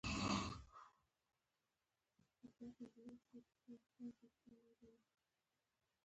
سهار وختې مې په سفينه کې ليکلی تحقيق سماوه.